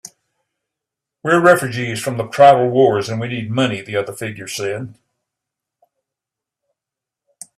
"We're refugees from the tribal wars, and we need money," the other figure said.